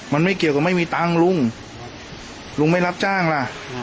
มันไม่เกี่ยวกับไม่มีตังค์ลุงลุงไม่รับจ้างล่ะ